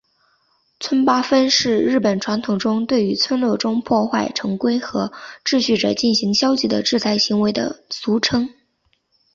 村八分是日本传统中对于村落中破坏成规和秩序者进行消极的制裁行为的俗称。